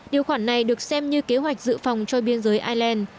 điều khoản này được xem như kế hoạch dự phòng cho biên giới ireland